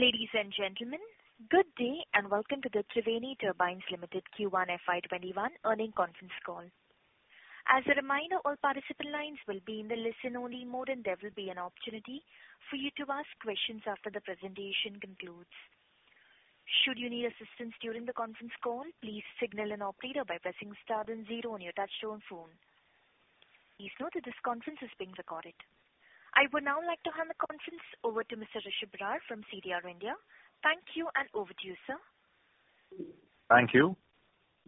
Ladies and gentlemen, good day and welcome to the Triveni Turbine Limited Q1 FY 2021 Earnings Conference Call. As a reminder, all participant lines will be in the listen-only mode and there will be an opportunity for you to ask questions after the presentation concludes. Should you need assistance during the conference call, please signal an operator by pressing star then zero on your touchtone phone. Please note that this conference is being recorded. I would now like to hand the conference over to Mr. Rishi Birar from CDR India. Thank you and over to you, sir. Thank you.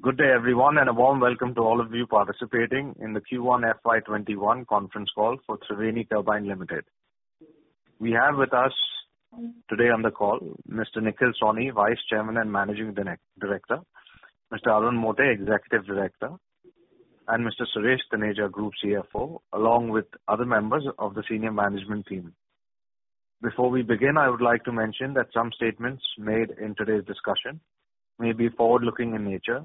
Good day, everyone, and a warm welcome to all of you participating in the Q1 FY21 conference call for Triveni Turbine Limited. We have with us today on the call Mr. Nikhil Sawhney, Vice Chairman and Managing Director, Mr. Arun Mote, Executive Director and Mr. Suresh Taneja, Group CFO, along with other members of the senior management team. Before we begin, I would like to mention that some statements made in today's discussion may be forward-looking in nature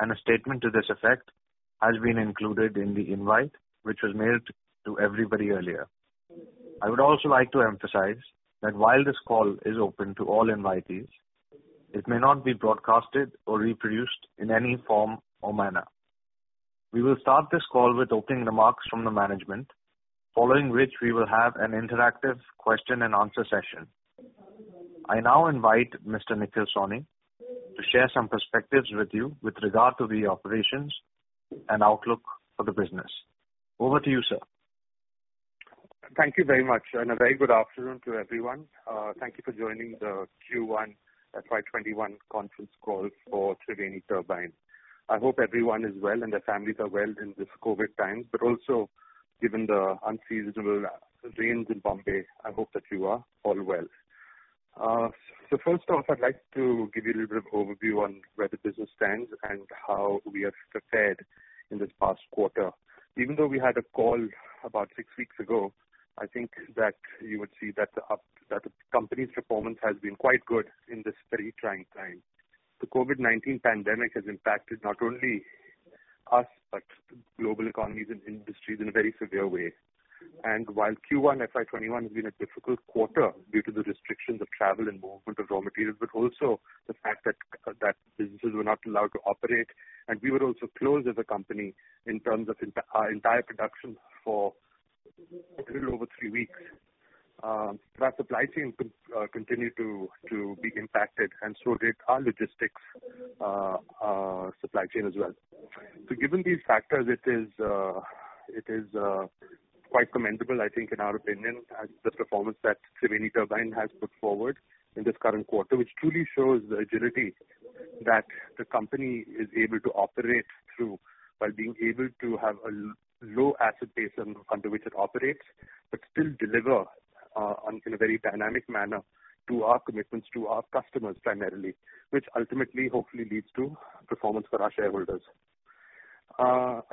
and a statement to this effect has been included in the invite which was mailed to everybody earlier. I would also like to emphasize that while this call is open to all invitees, it may not be broadcasted or reproduced in any form or manner. We will start this call with opening remarks from the management, following which we will have an interactive question and answer session. I now invite Mr. Nikhil Sawhney to share some perspectives with you with regard to the operations and outlook for the business. Over to you, sir. Thank you very much and a very good afternoon to everyone. Thank you for joining the Q1 FY21 conference call for Triveni Turbine. I hope everyone is well and their families are well in this COVID time, but also given the unseasonable rains in Bombay, I hope that you are all well. First off, I'd like to give you a little bit of overview on where the business stands and how we have prepared in this past quarter. Even though we had a call about six weeks ago, I think that you would see that the company's performance has been quite good in this very trying time. The COVID-19 pandemic has impacted not only us but global economies and industries in a very severe way. While Q1 FY21 has been a difficult quarter due to the restrictions of travel and movement of raw materials, but also the fact that businesses were not allowed to operate and we were also closed as a company in terms of our entire production for a little over three weeks. Our supply chain continued to be impacted and so did our logistics supply chain as well. Given these factors, it is quite commendable I think in our opinion at the performance that Triveni Turbine has put forward in this current quarter, which truly shows the agility that the company is able to operate through while being able to have a low asset base under which it operates, but still deliver in a very dynamic manner to our commitments to our customers primarily, which ultimately hopefully leads to performance for our shareholders.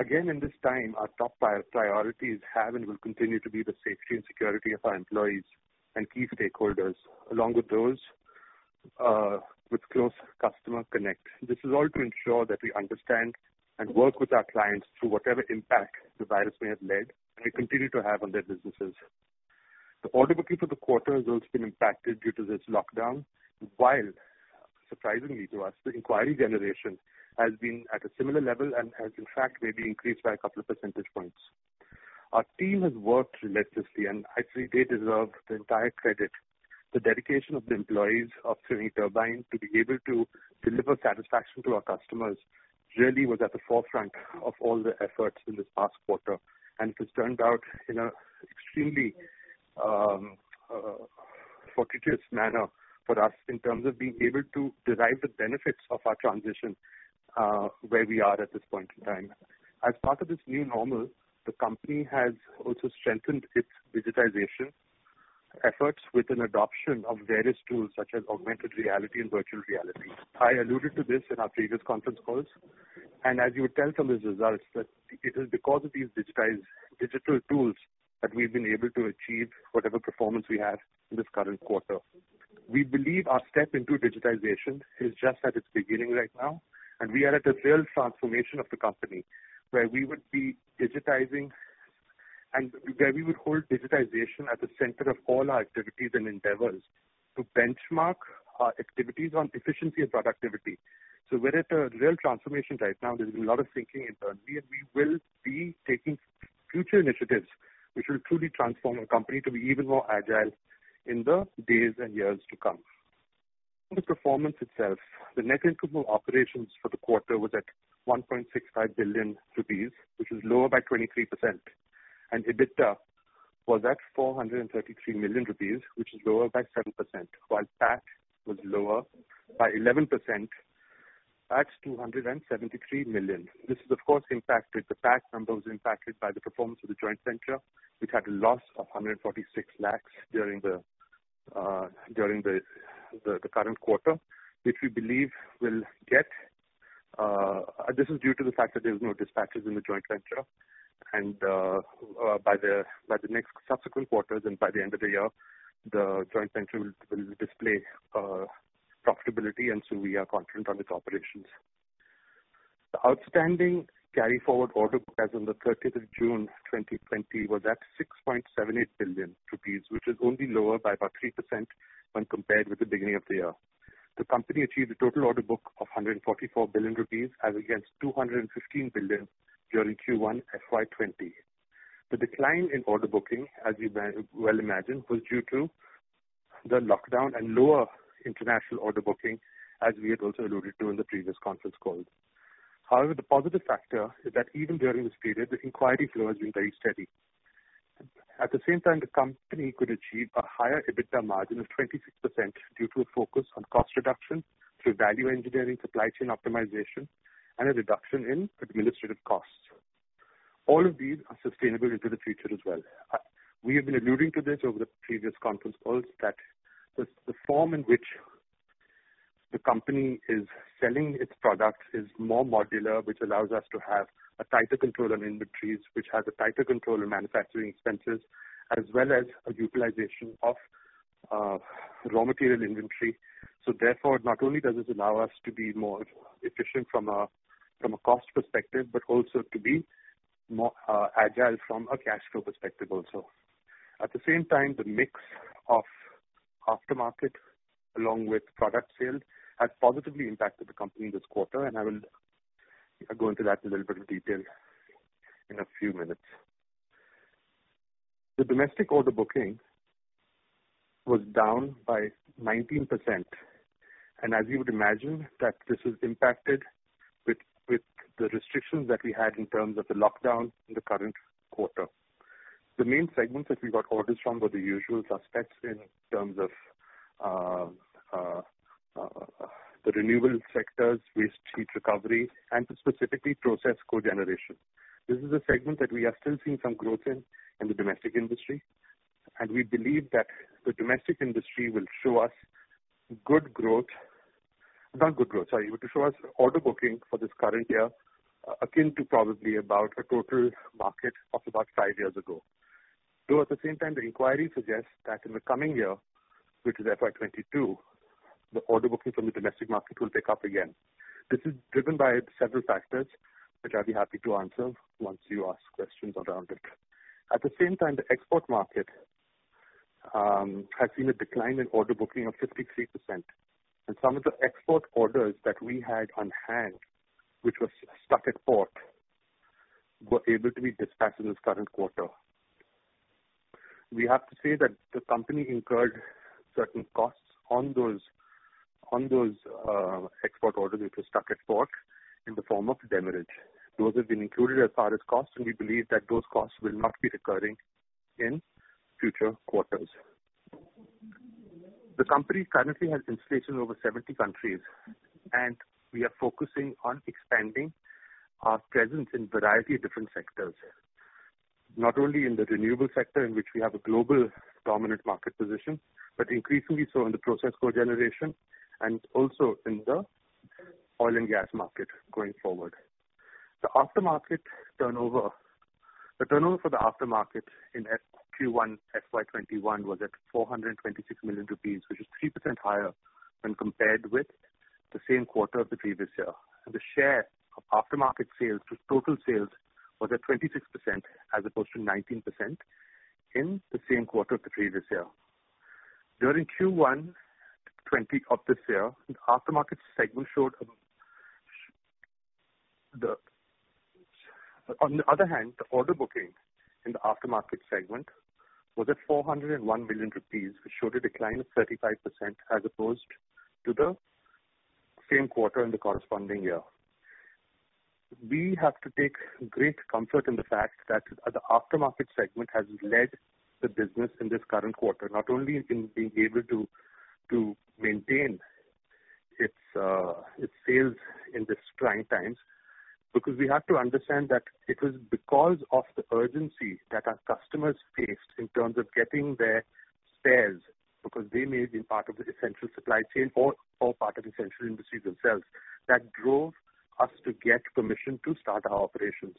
Again, in this time our top priorities have and will continue to be the safety and security of our employees and key stakeholders along with those with close customer connect. This is all to ensure that we understand and work with our clients through whatever impact the virus may have led and may continue to have on their businesses. The order book for the quarter has also been impacted due to this lockdown. Surprisingly to us, the inquiry generation has been at a similar level and has in fact maybe increased by a couple of percentage points. Our team has worked relentlessly and actually they deserve the entire credit. The dedication of the employees of Triveni Turbine to be able to deliver satisfaction to our customers really was at the forefront of all the efforts in this past quarter and it has turned out in an extremely fortuitous manner for us in terms of being able to derive the benefits of our transition where we are at this point in time. As part of this new normal, the company has also strengthened its digitization efforts with an adoption of various tools such as augmented reality and virtual reality. I alluded to this in our previous conference calls and as you would tell from these results that it is because of these digital tools that we've been able to achieve whatever performance we have in this current quarter. We believe our step into digitization is just at its beginning right now and we are at a real transformation of the company where we would be digitizing and where we would hold digitization at the center of all our activities and endeavors to benchmark our activities on efficiency and productivity. We're at a real transformation right now. There's been a lot of thinking internally and we will be taking future initiatives which will truly transform our company to be even more agile in the days and years to come. On the performance itself, the net income from operations for the quarter was at 1.65 billion rupees, which is lower by 23%, and EBITDA was at 433 million rupees, which is lower by 7%, while PAT was lower by 11% at 273 million. This is of course impacted, the PAT number was impacted by the performance of the joint venture which had a loss of 146 lakhs during the current quarter. This is due to the fact that there was no dispatches in the joint venture and by the next subsequent quarters and by the end of the year, the joint venture will display profitability. We are confident on its operations. The outstanding carry-forward order book as on the 30th of June 2020 was at 6.78 billion rupees, which is only lower by about 3% when compared with the beginning of the year. The company achieved a total order book of 144 billion rupees as against 215 billion during Q1 FY 2020. The decline in order booking, as you well imagine, was due to the lockdown and lower international order booking, as we had also alluded to in the previous conference call. The positive factor is that even during this period, the inquiry flow has been very steady. The company could achieve a higher EBITDA margin of 26% due to a focus on cost reduction through value engineering, supply chain optimization, and a reduction in administrative costs. All of these are sustainable into the future as well. We have been alluding to this over the previous conference calls that the form in which the company is selling its products is more modular, which allows us to have a tighter control on inventories, which has a tighter control on manufacturing expenses, as well as a utilization of raw material inventory. Therefore, not only does this allow us to be more efficient from a cost perspective, but also to be more agile from a cash flow perspective also. At the same time, the mix of aftermarket along with product sales has positively impacted the company this quarter, and I will go into that in a little bit of detail in a few minutes. The domestic order booking was down by 19%. As you would imagine, that this is impacted with the restrictions that we had in terms of the lockdown in the current quarter. The main segments that we got orders from were the usual suspects in terms of the renewable sectors, waste heat recovery, and specifically process cogeneration. This is a segment that we are still seeing some growth in the domestic industry. We believe that the domestic industry will show us good growth. Not good growth, sorry. To show us order booking for this current year akin to probably about a total market of about five years ago. At the same time, the inquiry suggests that in the coming year, which is FY 2022, the order booking from the domestic market will pick up again. This is driven by several factors, which I'll be happy to answer once you ask questions around it. At the same time, the export market has seen a decline in order booking of 53%, and some of the export orders that we had on hand, which was stuck at port, were able to be dispatched in this current quarter. We have to say that the company incurred certain costs on those export orders which were stuck at port in the form of demurrage. Those have been included as part of costs, we believe that those costs will not be recurring in future quarters. The company currently has installations over 70 countries, we are focusing on expanding our presence in a variety of different sectors. Not only in the renewable sector, in which we have a global dominant market position, but increasingly so in the process cogeneration and also in the oil and gas market going forward. The turnover for the aftermarket in Q1 FY 2021 was at 426 million rupees, which is 3% higher when compared with the same quarter of the previous year. The share of aftermarket sales to total sales was at 26%, as opposed to 19% in the same quarter of the previous year. During Q1 FY 2020, the order booking in the aftermarket segment was at 401 million rupees, which showed a decline of 35% as opposed to the same quarter in the corresponding year. We have to take great comfort in the fact that the aftermarket segment has led the business in this current quarter, not only in being able to maintain its sales in these trying times. We have to understand that it was because of the urgency that our customers faced in terms of getting their spares, because they may be part of the essential supply chain or part of essential industry themselves, that drove us to get permission to start our operations.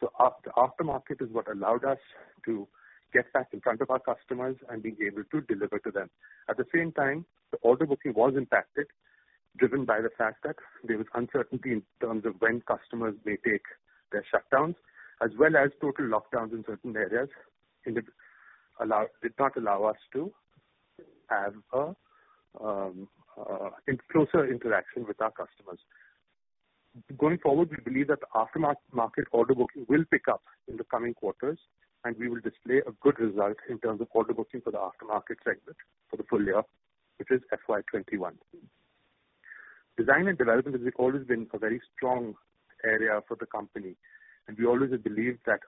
The aftermarket is what allowed us to get back in front of our customers and being able to deliver to them. At the same time, the order booking was impacted, driven by the fact that there was uncertainty in terms of when customers may take their shutdowns, as well as total lockdowns in certain areas did not allow us to have a closer interaction with our customers. Going forward, we believe that the aftermarket order booking will pick up in the coming quarters, and we will display a good result in terms of order booking for the aftermarket segment for the full year, which is FY 2021. Design and development has always been a very strong area for the company, and we always have believed that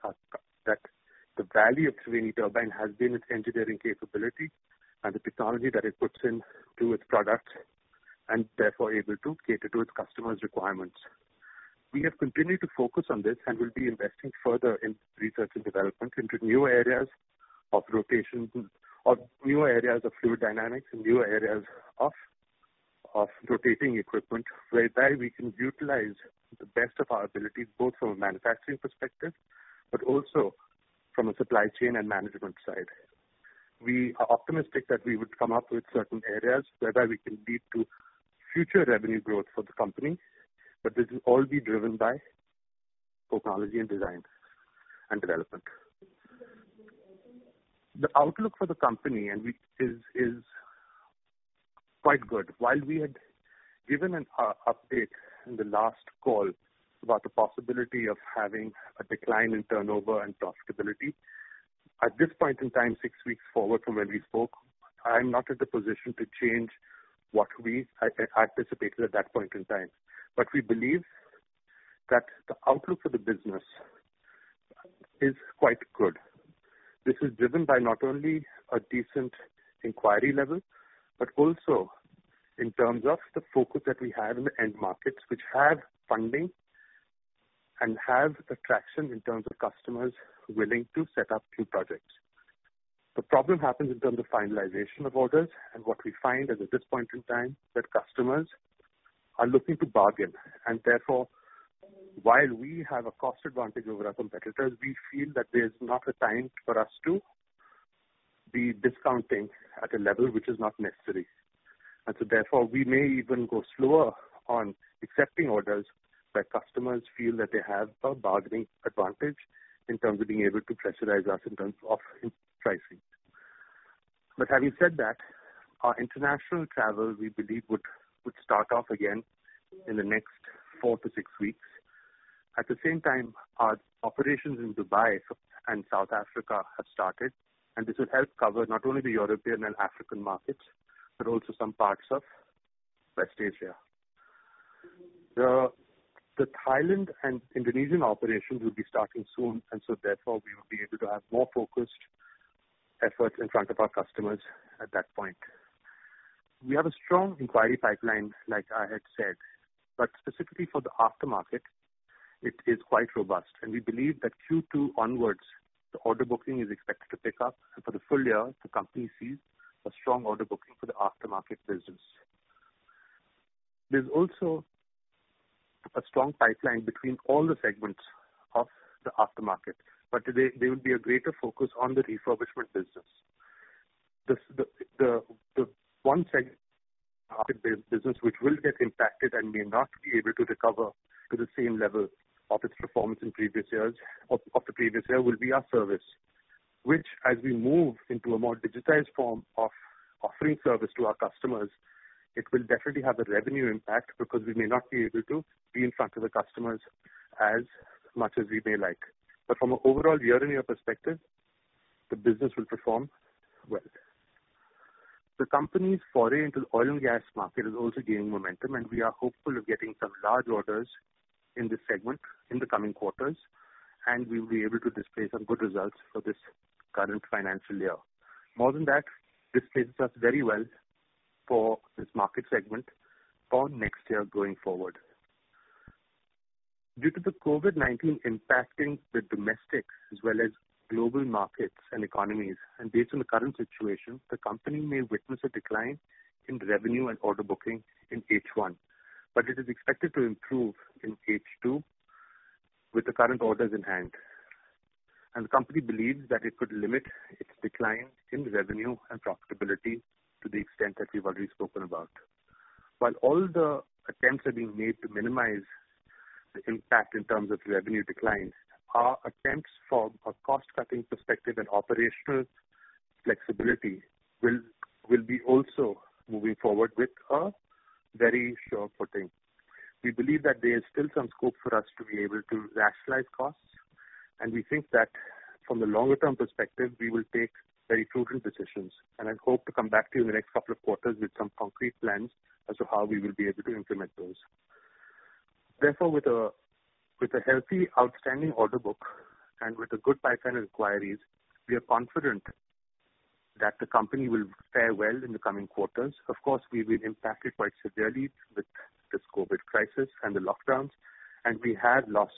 the value of Triveni Turbine has been its engineering capability and the technology that it puts into its products, and therefore able to cater to its customers' requirements. We have continued to focus on this and will be investing further in research and development into new areas of rotations or new areas of fluid dynamics and new areas of rotating equipment, whereby we can utilize the best of our abilities, both from a manufacturing perspective, but also from a supply chain and management side. We are optimistic that we would come up with certain areas whereby we can lead to future revenue growth for the company, but this will all be driven by technology and design and development. The outlook for the company is quite good. While we had given an update in the last call about the possibility of having a decline in turnover and profitability, at this point in time, six weeks forward from when we spoke, I'm not in the position to change what we anticipated at that point in time. We believe that the outlook for the business is quite good. This is driven by not only a decent inquiry level, but also in terms of the focus that we have in the end markets, which have funding and have attraction in terms of customers willing to set up new projects. The problem happens in terms of finalization of orders, and what we find is at this point in time, that customers are looking to bargain. Therefore, while we have a cost advantage over our competitors, we feel that there's not a time for us to be discounting at a level which is not necessary. So therefore, we may even go slower on accepting orders where customers feel that they have a bargaining advantage in terms of being able to pressurize us in terms of pricing. Having said that, our international travel, we believe would start off again in the next 4-6 weeks. At the same time, our operations in Dubai and South Africa have started, and this will help cover not only the European and African markets, but also some parts of West Asia. The Thailand and Indonesian operations will be starting soon, and so therefore, we will be able to have more focused efforts in front of our customers at that point. We have a strong inquiry pipeline, like I had said, but specifically for the aftermarket, it is quite robust. We believe that Q2 onwards, the order booking is expected to pick up, and for the full year, the company sees a strong order booking for the aftermarket business. There's also a strong pipeline between all the segments of the aftermarket, but there will be a greater focus on the refurbishment business. The one segment of the business which will get impacted and may not be able to recover to the same level of its performance of the previous year will be our service, which as we move into a more digitized form of offering service to our customers, it will definitely have a revenue impact because we may not be able to be in front of the customers as much as we may like. From an overall year-on-year perspective, the business will perform well. The company's foray into the oil and gas market is also gaining momentum, and we are hopeful of getting some large orders in this segment in the coming quarters, and we will be able to display some good results for this current financial year. More than that, this places us very well for this market segment for next year going forward. Due to the COVID-19 impacting the domestic as well as global markets and economies, and based on the current situation, the company may witness a decline in revenue and order booking in H1. It is expected to improve in H2 with the current orders in hand. The company believes that it could limit its decline in revenue and profitability to the extent that we've already spoken about. While all the attempts are being made to minimize the impact in terms of revenue declines, our attempts from a cost-cutting perspective and operational flexibility will be also moving forward with a very sure footing. We believe that there is still some scope for us to be able to rationalize costs, and we think that from the longer-term perspective, we will take very prudent decisions. I hope to come back to you in the next couple of quarters with some concrete plans as to how we will be able to implement those. Therefore, with a healthy, outstanding order book and with a good pipeline of inquiries, we are confident that the company will fare well in the coming quarters. Of course, we've been impacted quite severely with this COVID-19 crisis and the lockdowns, and we have lost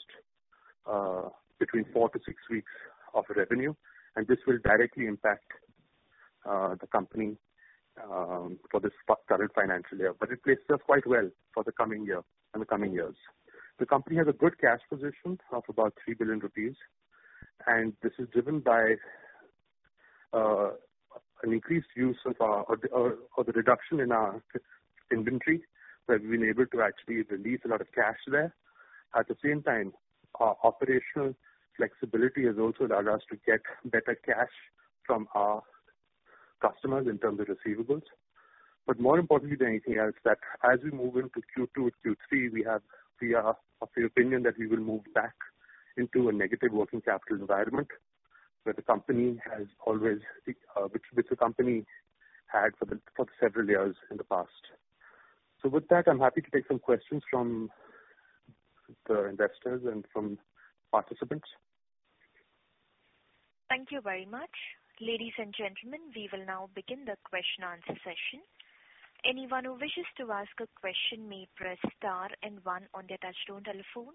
between 4-6 weeks of revenue, and this will directly impact the company for this current financial year. It places us quite well for the coming year and the coming years. The company has a good cash position of about 3 billion rupees, and this is driven by an increased use of our or the reduction in our inventory. We've been able to actually release a lot of cash there. Our operational flexibility has also allowed us to get better cash from our customers in terms of receivables. More importantly than anything else, that as we move into Q2 and Q3, we are of the opinion that we will move back into a negative working capital environment, which the company had for several years in the past. With that, I am happy to take some questions from the investors and from participants. Thank you very much. Ladies and gentlemen, we will now begin the question and answer session. Anyone who wishes to ask a question may press star and one on their touchtone telephone.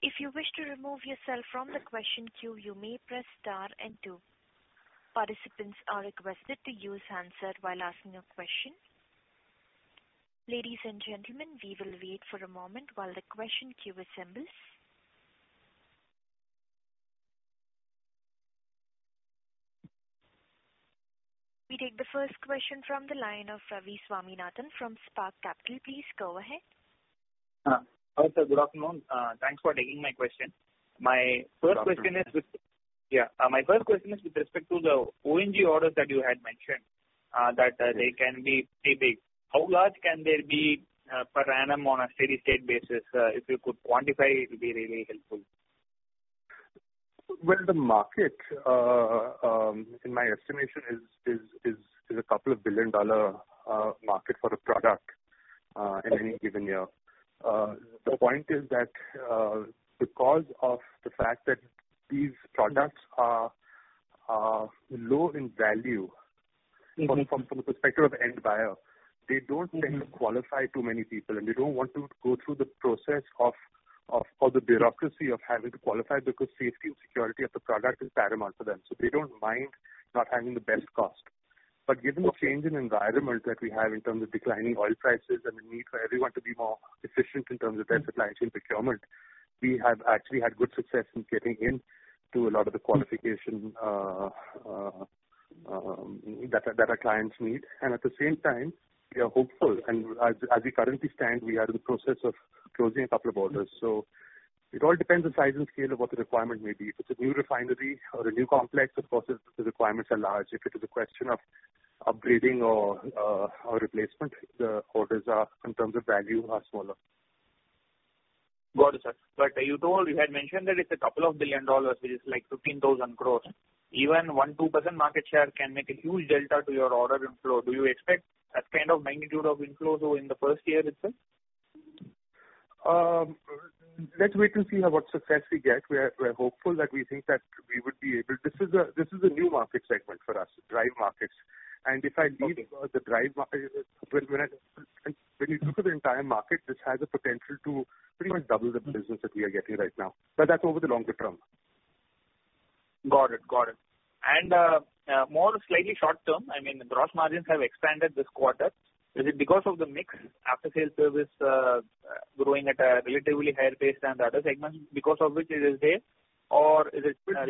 If you wish to remove yourself from the question queue, you may press star and two. Participants are requested to use handset while asking a question. Ladies and gentlemen, we will wait for a moment while the question queue assembles. We take the first question from the line of Ravi Swaminathan from Spark Capital. Please go ahead. Hi, sir. Good afternoon. Thanks for taking my question. Good afternoon. My first question is with respect to the O&G orders that you had mentioned, that they can be pretty big. How large can they be per annum on a steady-state basis? If you could quantify, it would be really helpful. Well, the market, in my estimation, is a couple of billion-dollar market for a product in any given year. The point is that because of the fact that these products are low in value from the perspective of the end buyer, they don't tend to qualify too many people, and they don't want to go through the process or the bureaucracy of having to qualify because safety and security of the product is paramount for them. They don't mind not having the best cost. Given the change in environment that we have in terms of declining oil prices and the need for everyone to be more efficient in terms of their supply chain procurement, we have actually had good success in getting in to a lot of the qualification that our clients need. At the same time, we are hopeful. As we currently stand, we are in the process of closing a couple of orders. It all depends on size and scale of what the requirement may be. If it's a new refinery or a new complex, of course, the requirements are large. If it is a question of upgrading or replacement, the orders in terms of value are smaller. Got it, sir. You had mentioned that it's a couple of billion dollars, which is like 15,000 crores. Even 1%, 2% market share can make a huge delta to your order inflow. Do you expect that kind of magnitude of inflow in the first year itself? Let's wait to see what success we get. We're hopeful that we think that we would be able. This is a new market segment for us, drive markets. If I read the drive market, when you look at the entire market, this has the potential to pretty much double the business that we are getting right now, but that's over the longer term. Got it. More slightly short term, I mean, the gross margins have expanded this quarter. Is it because of the mix, after-sales service growing at a relatively higher pace than the other segments because of which it is there? Or is it? Well,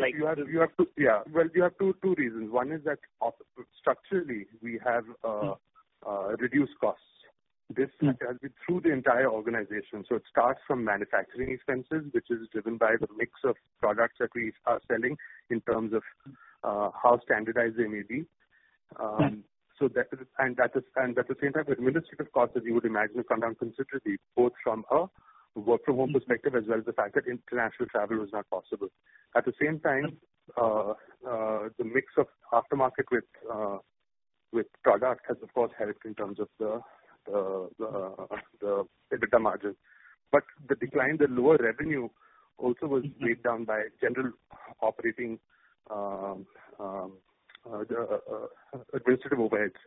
we have two reasons. One is that structurally we have reduced costs. This has been through the entire organization. It starts from manufacturing expenses, which is driven by the mix of products that we are selling in terms of how standardized they may be. At the same time, the administrative costs, as you would imagine, have come down considerably, both from a work-from-home perspective, as well as the fact that international travel was not possible. At the same time, the mix of aftermarket with product has, of course, helped in terms of the EBITDA margins. The decline, the lower revenue also was weighed down by general operating administrative overheads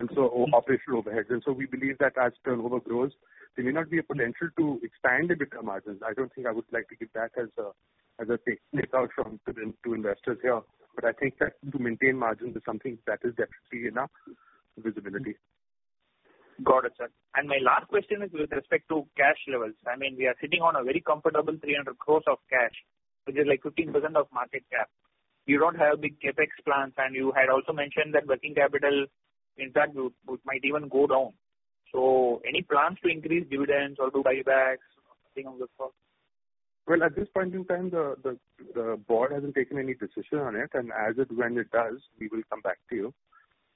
and operational overheads. We believe that as turnover grows, there may not be a potential to expand EBITDA margins. I don't think I would like to give that as a take out to investors here. I think that to maintain margins is something that is definitely enough visibility. Got it, sir. My last question is with respect to cash levels. I mean, we are sitting on a very comfortable 300 crores of cash, which is like 15% of market cap. You don't have big CapEx plans, and you had also mentioned that working capital, in fact, might even go down. Any plans to increase dividends or do buybacks or something of the sort? Well, at this point in time, the board hasn't taken any decision on it. As it, when it does, we will come back to you.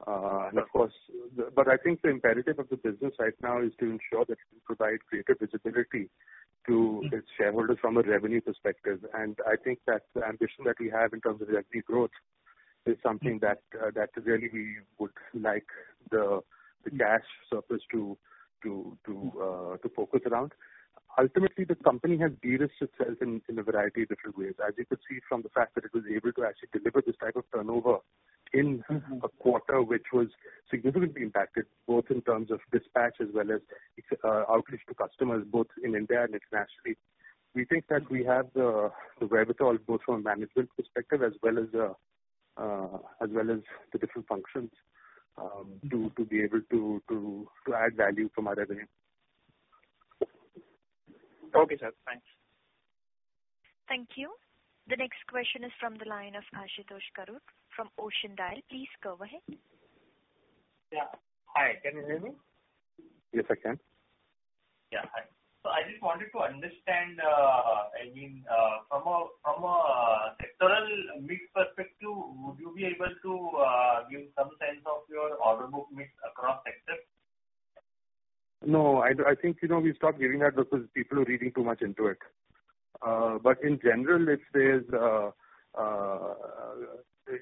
I think the imperative of the business right now is to ensure that we provide greater visibility to its shareholders from a revenue perspective. I think that the ambition that we have in terms of the equity growth is something that really we would like the cash surplus to focus around. Ultimately, the company has de-risked itself in a variety of different ways. As you could see from the fact that it was able to actually deliver this type of turnover in a quarter which was significantly impacted, both in terms of dispatch as well as outreach to customers both in India and internationally. We think that we have the wherewithal, both from a management perspective as well as the different functions to be able to add value from our revenue. Okay, sir. Thanks. Thank you. The next question is from the line of Ashutosh Garud from Ocean Dial. Please go ahead. Yeah. Hi, can you hear me? Yes, I can. Yeah. Hi. I just wanted to understand from a sectoral mix perspective, would you be able to give some sense of your order book mix across sectors? No, I think we stopped giving that because people are reading too much into it. In general, let's say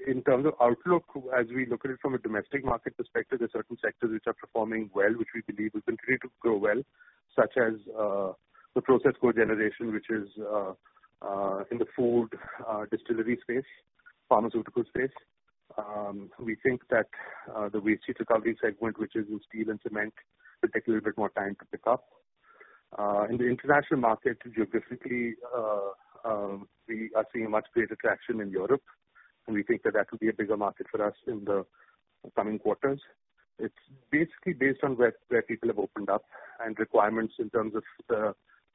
in terms of outlook, as we look at it from a domestic market perspective, there are certain sectors which are performing well, which we believe will continue to grow well, such as the process co-generation, which is in the food distillery space, pharmaceutical space. We think that the waste heat recovery segment, which is in steel and cement, will take a little bit more time to pick up. In the international market, geographically, we are seeing much greater traction in Europe, and we think that that will be a bigger market for us in the coming quarters. It's basically based on where people have opened up and requirements in terms of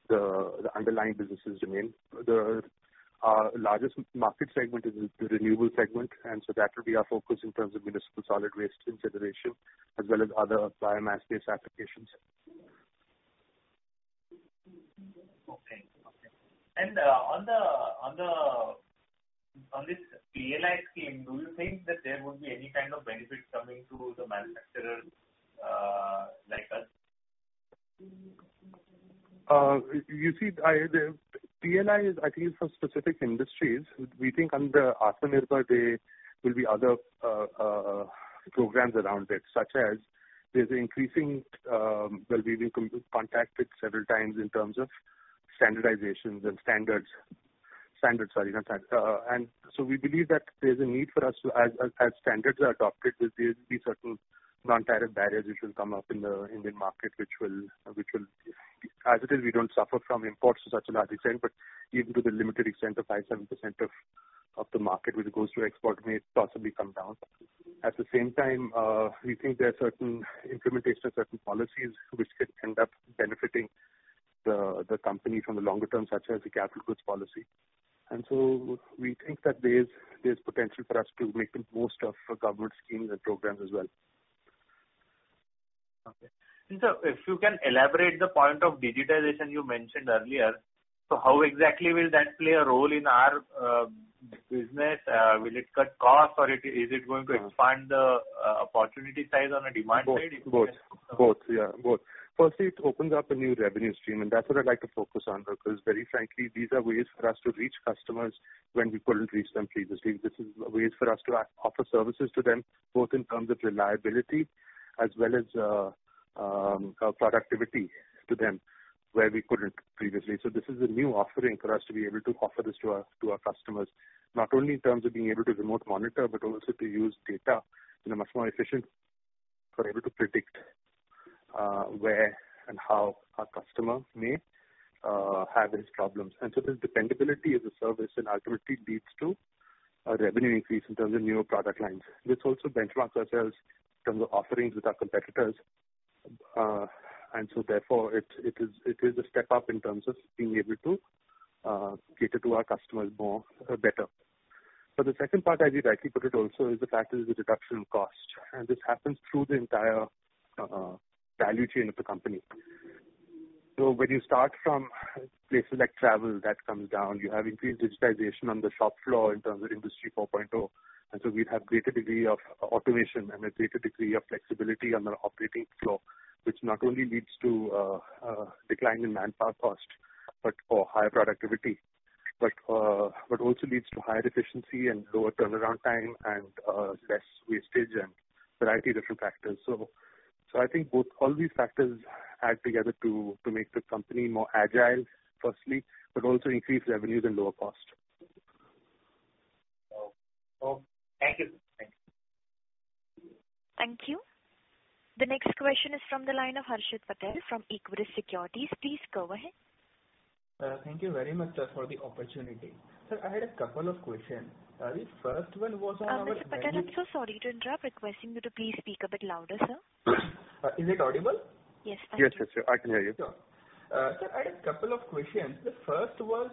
the underlying businesses domain. Our largest market segment is the renewable segment, and so that will be our focus in terms of municipal solid waste consideration, as well as other biomass-based applications. Okay. On this PLI scheme, do you think that there would be any kind of benefit coming to the manufacturers like us? You see, PLI is I think for specific industries. We think under Aatmanirbhar there will be other programs around it, such as Well, we've been contacted several times in terms of standardizations and standards. Sorry. We believe that there's a need for us to, as standards are adopted, there'll be certain non-tariff barriers which will come up in the Indian market. As it is, we don't suffer from imports to such a large extent, but even to the limited extent of 5%, 7% of the market which goes to export may possibly come down. At the same time, we think there are certain implementations, certain policies which could end up benefiting the company from the longer term, such as the Capital Goods Policy. We think that there's potential for us to make the most of government schemes and programs as well. Okay. Sir, if you can elaborate the point of digitization you mentioned earlier. How exactly will that play a role in our business? Will it cut cost or is it going to expand the opportunity size on a demand side? Both. Firstly, it opens up a new revenue stream and that's what I'd like to focus on, because very frankly, these are ways for us to reach customers when we couldn't reach them previously. This is ways for us to offer services to them, both in terms of reliability as well as productivity to them where we couldn't previously. This is a new offering for us to be able to offer this to our customers, not only in terms of being able to remote monitor, but also to use data in a much more efficient were able to predict where and how our customer may have his problems. This dependability as a service ultimately leads to a revenue increase in terms of newer product lines. This also benchmarks ourselves in terms of offerings with our competitors. Therefore, it is a step up in terms of being able to cater to our customers better. The second part is the reduction in cost, and this happens through the entire value chain of the company. When you start from places like travel that comes down, you have increased digitization on the shop floor in terms of Industry 4.0. We'd have greater degree of automation and a greater degree of flexibility on the operating floor, which not only leads to a decline in manpower cost or higher productivity, but also leads to higher efficiency and lower turnaround time and less wastage and a variety of different factors. All these factors add together to make the company more agile, firstly, but also increase revenues and lower cost. Oh, thank you. Thank you. The next question is from the line of Harshit Patel from Equirus Securities. Please go ahead. Thank you very much for the opportunity. Sir, I had a couple of questions. The first one was on our- Mr. Patel, I'm so sorry to interrupt. Requesting you to please speak a bit louder, sir. Is it audible? Yes. Yes. I can hear you. Sure. Sir, I had a couple of questions. The first one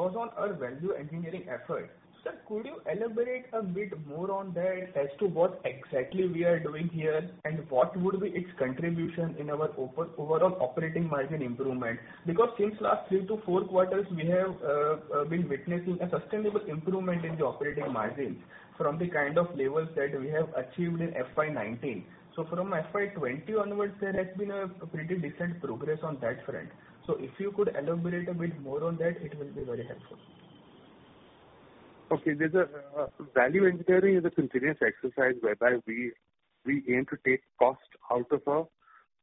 was on our value engineering effort. Sir, could you elaborate a bit more on that as to what exactly we are doing here and what would be its contribution in our overall operating margin improvement? Because since last three to four quarters, we have been witnessing a sustainable improvement in the operating margins from the kind of levels that we have achieved in FY 2019. From FY 2020 onwards there has been a pretty decent progress on that front. If you could elaborate a bit more on that it will be very helpful. Okay. Value engineering is a continuous exercise whereby we aim to take cost out of a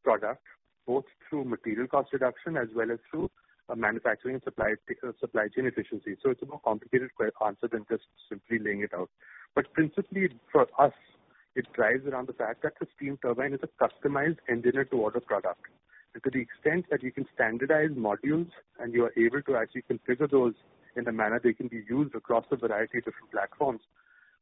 product, both through material cost reduction as well as through manufacturing and supply chain efficiency. It's a more complicated answer than just simply laying it out. Principally for us, it drives around the fact that the steam turbine is a customized engineer to order product. To the extent that you can standardize modules and you are able to actually configure those in a manner they can be used across a variety of different platforms,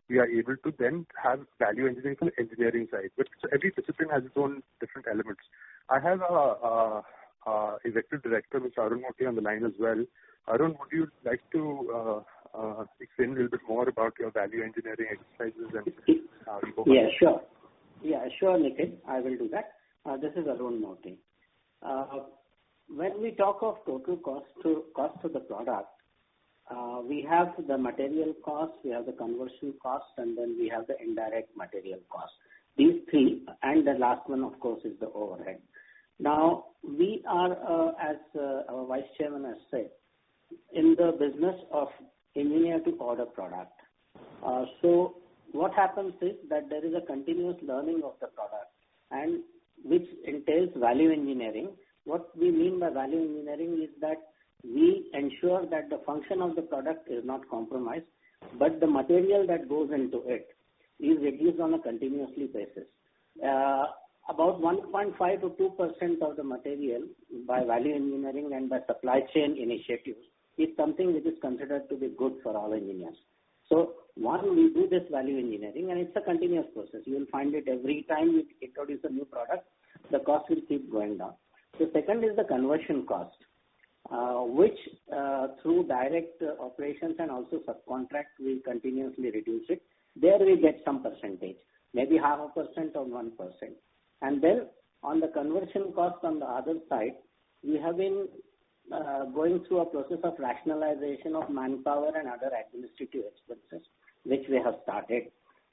we are able to then have value engineering from the engineering side. Every discipline has its own different elements. I have our Executive Director, Mr. Arun Mote on the line as well. Arun, would you like to explain a little bit more about your value engineering exercises? Yeah, sure. Yeah, sure, Nikhil. I will do that. This is Arun Mote. When we talk of total cost to the product, we have the material cost, we have the conversion cost and then we have the indirect material cost. These three, and the last one of course is the overhead. We are, as our Vice Chairman has said, in the business of engineer to order product. What happens is that there is a continuous learning of the product and which entails value engineering. What we mean by value engineering is that we ensure that the function of the product is not compromised, but the material that goes into it is reduced on a continuously basis. About 1.5%-2% of the material, by value engineering and by supply chain initiatives, is something which is considered to be good for all engineers. One, we do this value engineering, and it's a continuous process. You'll find that every time we introduce a new product, the cost will keep going down. The second is the conversion cost, which through direct operations and also subcontract, we continuously reduce it. There we get some percentage, maybe 0.5% or 1%. On the conversion cost on the other side, we have been going through a process of rationalization of manpower and other administrative expenses, which we have started,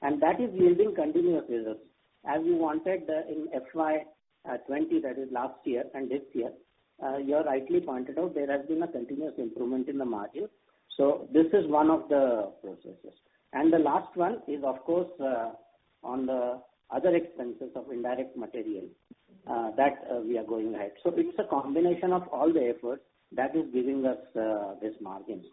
and that is yielding continuous results. As we wanted in FY 2020, that is last year and this year, you rightly pointed out, there has been a continuous improvement in the margin. This is one of the processes. The last one is, of course, on the other expenses of indirect material that we are going ahead. It's a combination of all the efforts that is giving us this margin.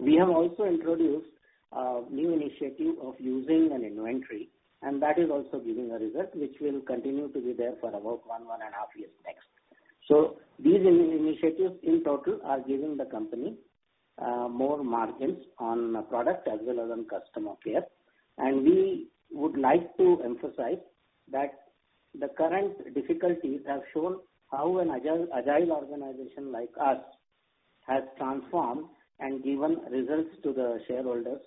We have also introduced a new initiative of using an inventory, and that is also giving a result which will continue to be there for about one and a half years next. These initiatives in total are giving the company more margins on product as well as on customer care. We would like to emphasize that the current difficulties have shown how an agile organization like us has transformed and given results to the shareholders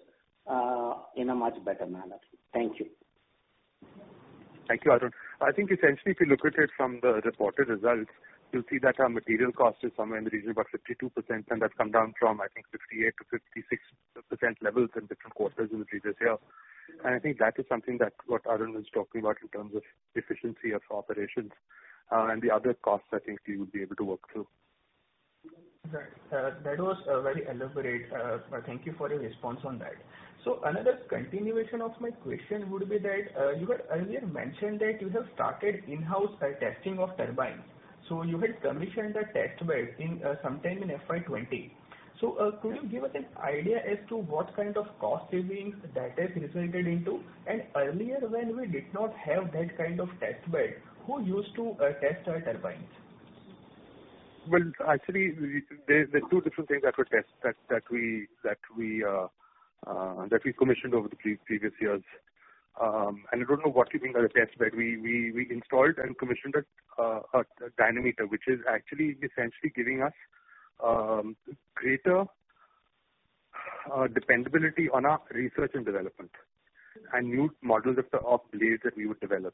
in a much better manner. Thank you. Thank you, Arun. I think essentially, if you look at it from the reported results, you'll see that our material cost is somewhere in the region of about 52%, and that's come down from, I think, 58%-56% levels in different quarters in the previous year. I think that is something that what Arun was talking about in terms of efficiency of operations. The other costs, I think we would be able to work through. Right. That was very elaborate. Thank you for your response on that. Another continuation of my question would be that you had earlier mentioned that you have started in-house testing of turbines. You had commissioned a test bed sometime in FY 2020. Could you give us an idea as to what kind of cost savings that has resulted into? Earlier when we did not have that kind of test bed, who used to test our turbines? Well, actually, there's two different things that we commissioned over the previous years. I don't know what you mean by test bed. We installed and commissioned a dynamometer, which is actually essentially giving us greater dependability on our research and development and new models of blades that we would develop.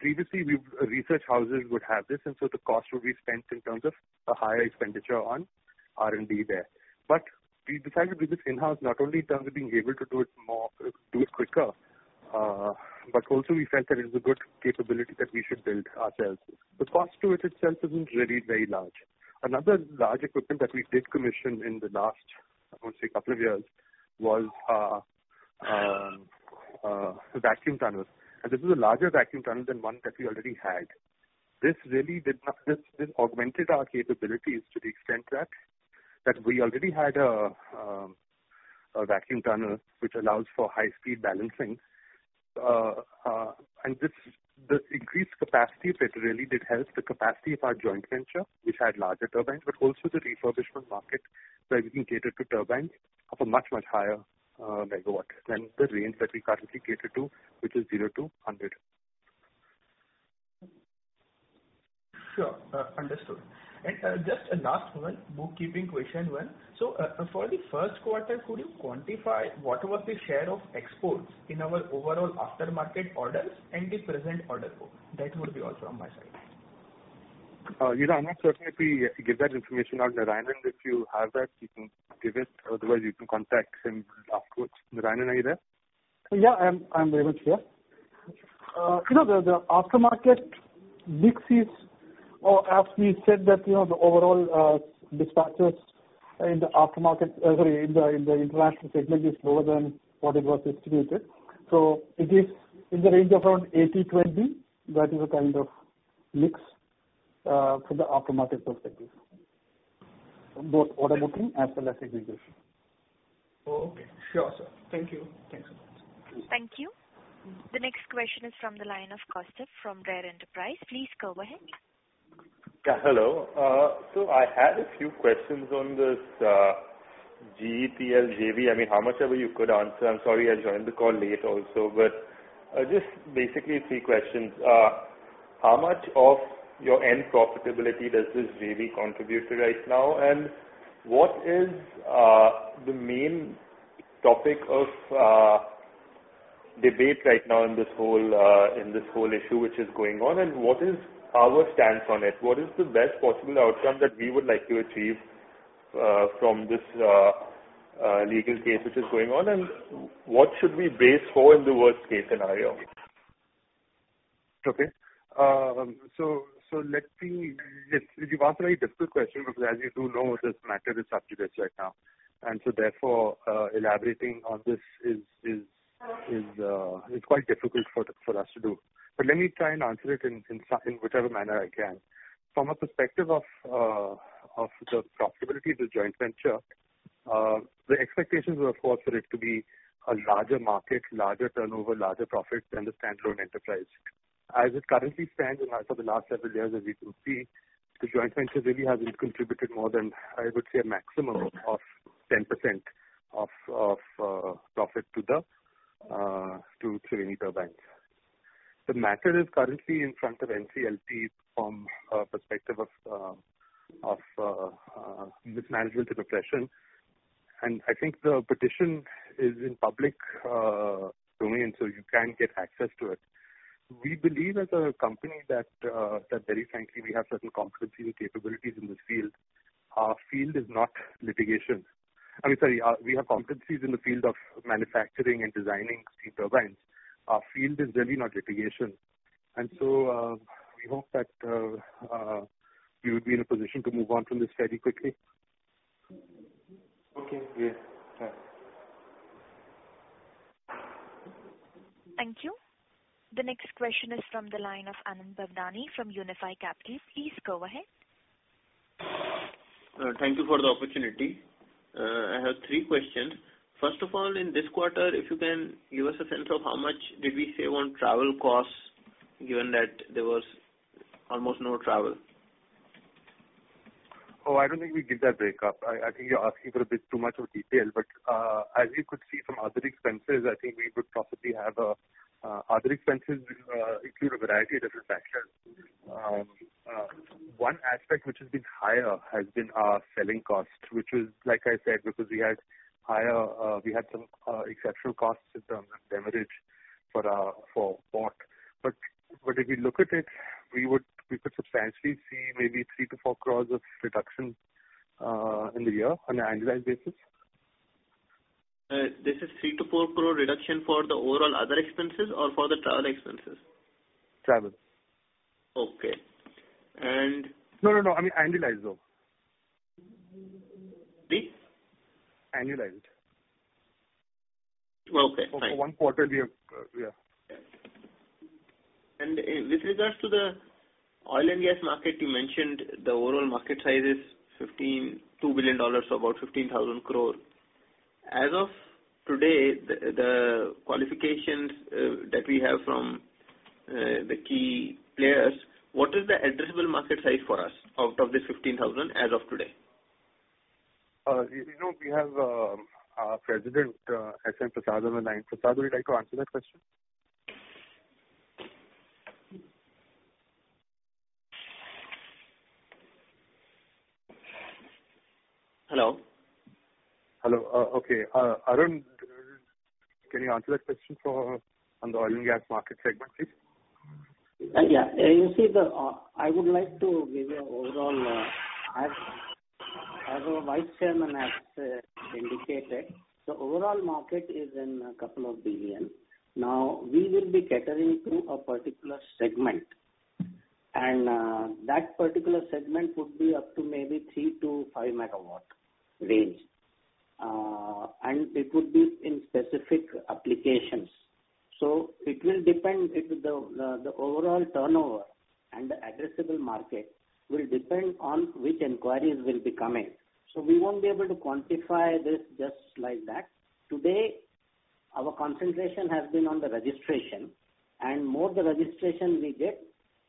Previously, research houses would have this, and so the cost would be spent in terms of a higher expenditure on R&D there. We decided to do this in-house, not only in terms of being able to do it quicker but also we felt that it is a good capability that we should build ourselves. The cost to it itself isn't really very large. Another large equipment that we did commission in the last, I would say couple of years, was a vacuum tunnel. This is a larger vacuum tunnel than one that we already had. This augmented our capabilities to the extent that we already had a vacuum tunnel, which allows for high-speed balancing. This increased capacity, that really did help the capacity of our joint venture, which had larger turbines, but also the refurbishment market where we can cater to turbines of a much, much higher megawatt than the range that we currently cater to, which is 0-100. Sure. Understood. Just last one, bookkeeping question one. For the first quarter, could you quantify what was the share of exports in our overall aftermarket orders and the present order book? That would be all from my side. I'm not certain if we give that information out. Narayanan, if you have that, you can give it. Otherwise, you can contact him afterwards. Narayanan, are you there? Yeah, I'm very much here. The aftermarket mix is, or as we said, that the overall dispatches in the international segment is lower than what it was estimated. It is in the range of around 80/20. That is the kind of mix from the aftermarket perspective, both. [inaudible] Okay. Sure, sir. Thank you. Thanks a lot. Thank you. The next question is from the line of Kaustubh from RARE Enterprises. Please go ahead. Yeah, hello. I had a few questions on this GETL JV. How much ever you could answer. I'm sorry I joined the call late also. Just basically three questions. How much of your end profitability does this JV contribute to right now? What is the main topic of debate right now in this whole issue which is going on? What is our stance on it? What is the best possible outcome that we would like to achieve from this legal case which is going on, and what should we base for in the worst-case scenario? Okay. You've asked a very difficult question because as you do know, this matter is sub judice right now. Therefore, elaborating on this is quite difficult for us to do. Let me try and answer it in whichever manner I can. From a perspective of the profitability of the joint venture. The expectations were, of course, for it to be a larger market, larger turnover, larger profit than the standalone enterprise. As it currently stands, and as for the last several years as we could see, the joint venture really hasn't contributed more than, I would say, a maximum of 10% of profit to Triveni Turbine. The matter is currently in front of NCLT from a perspective of mismanagement and oppression. I think the petition is in public domain, so you can get access to it. We believe as a company that very frankly, we have certain competencies and capabilities in this field. Our field is not litigation. I mean, sorry. We have competencies in the field of manufacturing and designing steam turbines. Our field is really not litigation. We hope that we would be in a position to move on from this very quickly. Okay. Yes. Thanks. Thank you. The next question is from the line of Anand Bhavnani from Unifi Capital. Please go ahead. Thank you for the opportunity. I have three questions. First of all, in this quarter, if you can give us a sense of how much did we save on travel costs, given that there was almost no travel? I don't think we give that breakup. I think you're asking for a bit too much of detail, but as you could see from other expenses, other expenses include a variety of different factors. One aspect which has been higher has been our selling cost, which was, like I said, because we had some exceptional costs in terms of damage for port. If we look at it, we could substantially see maybe 3 crores- 4 crores of reduction in the year on an annualized basis. This is 3 crore-4 crore reduction for the overall other expenses or for the travel expenses? Travel. Okay. No, I mean annualized though. Please? Annualized. Okay, fine. For one quarter we have Yeah. With regards to the oil and gas market, you mentioned the overall market size is INR 15.2 billion, so about 15,000 crore. As of today, the qualifications that we have from the key players, what is the addressable market size for us out of this 15,000 as of today? You know, we have our President, SN Prasad, on the line. Prasad, would you like to answer that question? Hello. Hello. Okay. Arun, can you answer that question on the oil and gas market segment, please? I would like to give you an overall, as our Vice Chairman has indicated, the overall market is in 2 billion. We will be catering to a particular segment, and that particular segment would be up to maybe 3 MW-5 MW range. It would be in specific applications. It will depend if the overall turnover and the addressable market will depend on which inquiries will be coming. We won't be able to quantify this just like that. Today, our concentration has been on the registration, and more the registration we get,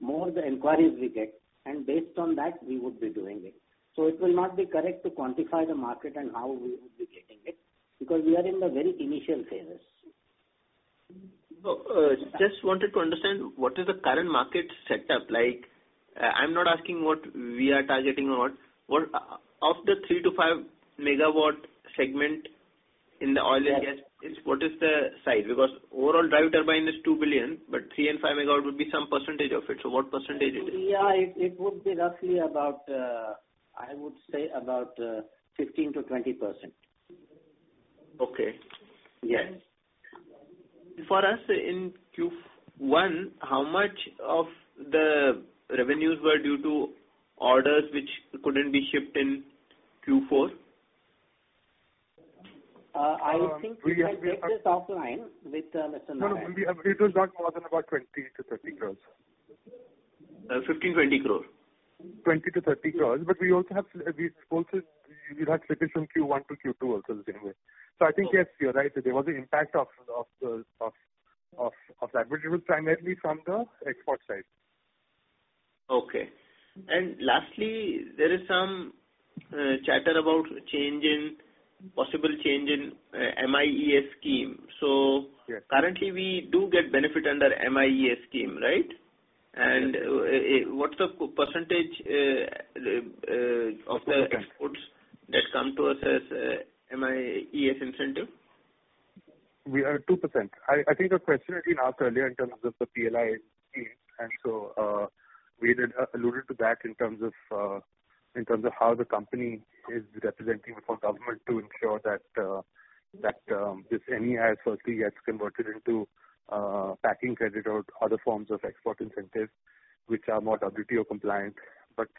more the inquiries we get, and based on that, we would be doing it. It will not be correct to quantify the market and how we would be getting it, because we are in the very initial phases. Just wanted to understand what is the current market set up like. I am not asking what we are targeting or not. Of the 3 MW-5 MW segment in the oil and gas, what is the size? Because overall drive markets is $2 billion, but 3 MW-5 MW would be some percentage of it. What percentage it is? Yeah, it would be roughly, I would say about 15%-20%. Okay. Yes. For us in Q1, how much of the revenues were due to orders which couldn't be shipped in Q4? I think we had dealt this offline with Mr. Nair. No, it was not more than about 20 crores-30 crores. 15 crores, 20 crores? 20 crores-INR 30 crores. We also had sufficient Q1-Q2 also the same way. I think, yes, you're right. There was an impact of that, which was primarily from the export side. Okay. Lastly, there is some chatter about possible change in MEIS scheme. Yes Currently we do get benefit under MEIS scheme, right? Yes. What's the percentage of the exports that come to us as MEIS incentive? We are 2%. I think the question had been asked earlier in terms of the PLI scheme, and so we did allude to that in terms of how the company is representing before government to ensure that this MEIS firstly gets converted into packing credit or other forms of export incentives, which are more WTO compliant.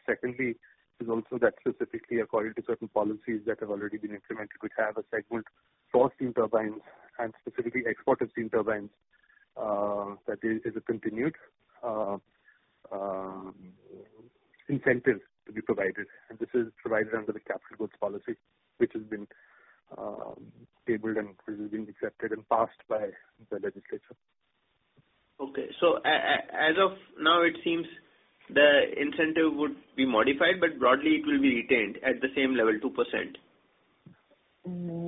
Secondly, is also that specifically according to certain policies that have already been implemented, which have a segment for steam turbines and specifically export of steam turbines, that is a continued incentives to be provided, and this is provided under the Capital Goods Policy, which has been tabled and which has been accepted and passed by the legislature. Okay. As of now, it seems the incentive would be modified, but broadly it will be retained at the same level, 2%.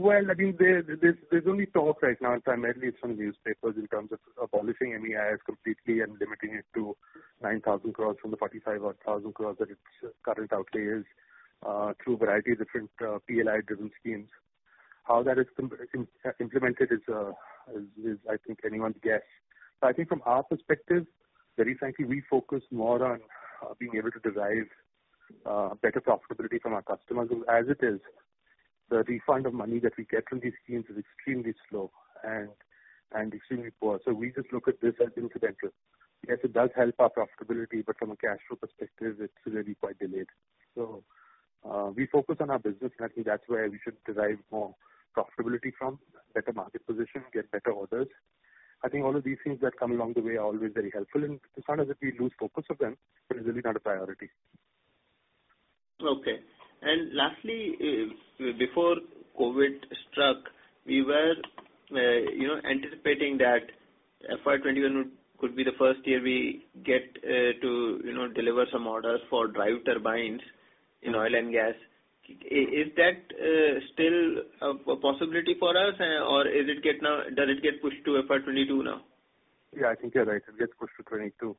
I think there's only talk right now, primarily from newspapers, in terms of abolishing MEIS completely and limiting it to 9,000 crore from the 45,000 crore odd that its current outlay is, through a variety of different PLI-driven schemes. How that is implemented is, I think anyone's guess. I think from our perspective, very frankly, we focus more on being able to derive better profitability from our customers. Because as it is, the refund of money that we get from these schemes is extremely slow and extremely poor. We just look at this as incidental. Yes, it does help our profitability, but from a cash flow perspective, it's really quite delayed. We focus on our business, and I think that's where we should derive more profitability from, better market position, get better orders. I think all of these things that come along the way are always very helpful. It's not as if we lose focus of them, but it's really not a priority. Okay. Lastly, before COVID struck, we were anticipating that FY 2021 could be the first year we get to deliver some orders for drive turbines in oil and gas. Is that still a possibility for us, or does it get pushed to FY 2022 now? Yeah, I think you're right. It gets pushed to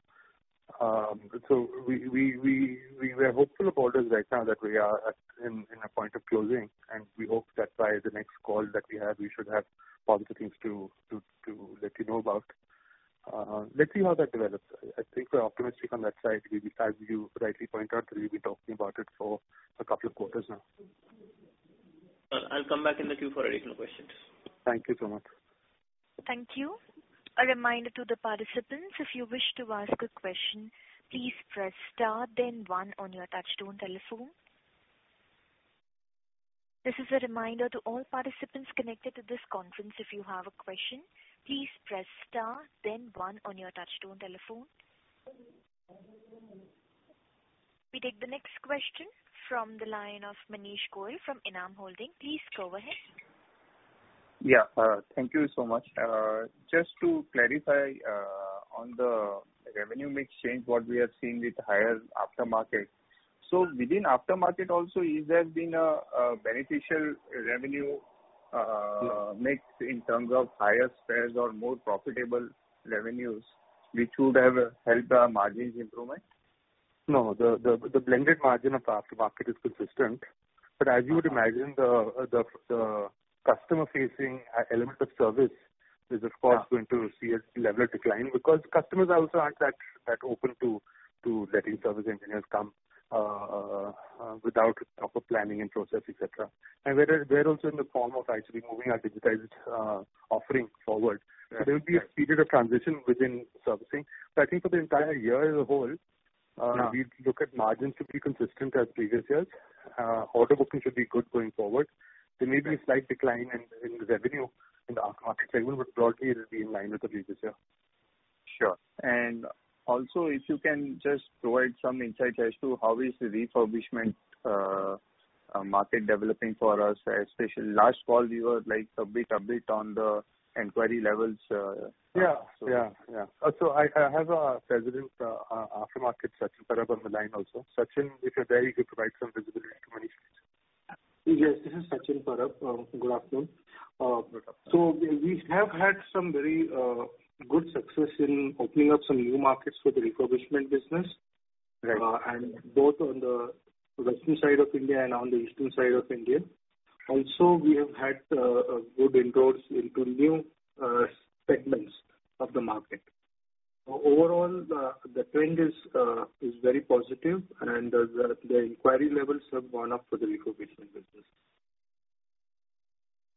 2022. We were hopeful of orders right now that we are in a point of closing, and we hope that by the next call that we have, we should have positive things to let you know about. Let's see how that develops. I think we're optimistic on that side. As you rightly point out, we've been talking about it for a couple of quarters now. I'll come back in the queue for additional questions. Thank you so much. Thank you. A reminder to the participants, if you wish to ask a question, please press star then one on your touchtone telephone. This is a reminder to all participants connected to this conference. If you have a question, please press star then one on your touchtone telephone. We take the next question from the line of Manish Goyal from Enam Holdings. Please go ahead. Yeah. Thank you so much. Just to clarify on the revenue mix change, what we have seen with higher aftermarket. Within aftermarket also, has there been a beneficial revenue mix in terms of higher sales or more profitable revenues which would have helped the margins improvement? No, the blended margin of aftermarket is consistent. As you would imagine, the customer-facing element of service is, of course. Yeah going to see a level of decline because customers are also not that open to letting service engineers come without proper planning and process, et cetera. We're also in the form of actually moving our digitized offering forward. Right. There will be a period of transition within servicing. I think for the entire year as a whole. Yeah We look at margins to be consistent as previous years. Order booking should be good going forward. There may be a slight decline in revenue in the aftermarket segment, but broadly it will be in line with the previous year. Sure. Also, if you can just provide some insight as to how is the refurbishment market developing for us? Especially last call, we were a bit upbeat on the inquiry levels. Yeah. I have our President of Aftermarket, Sachin Parab, on the line also. Sachin, if you're there, you could provide some visibility into Manish's question. Yes, this is Sachin Parab. Good afternoon. Good afternoon. We have had some very good success in opening up some new markets for the refurbishment business. Right. Both on the western side of India and on the eastern side of India. Also we have had good inroads into new segments of the market. Overall, the trend is very positive, and the inquiry levels have gone up for the refurbishment business.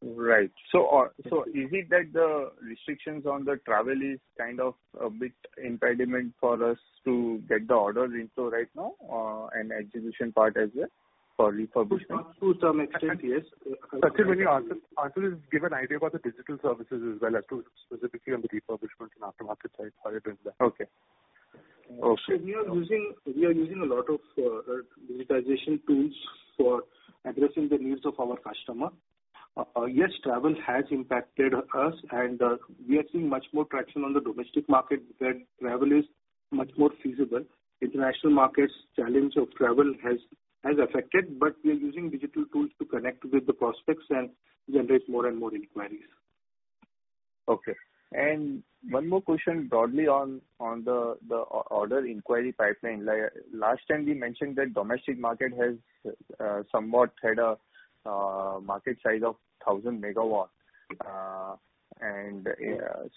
Right. Is it that the restrictions on the travel is kind of a big impediment for us to get the orders in flow right now, and execution part as well for refurbishment? To some extent, yes. Sachin, when you answer, please give an idea about the digital services as well, specifically on the refurbishment and aftermarket side, how you're doing there. Okay. We are using a lot of digitization tools for addressing the needs of our customer. Yes, travel has impacted us, and we are seeing much more traction on the domestic market where travel is much more feasible. International markets, challenge of travel has affected, we're using digital tools to connect with the prospects and generate more and more inquiries. Okay. One more question broadly on the order inquiry pipeline. Last time we mentioned that domestic market has somewhat had a market size of 1,000 megawatts.